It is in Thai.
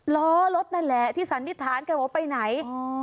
ล้อรถนั่นแหละที่สันนิษฐานกันว่าไปไหน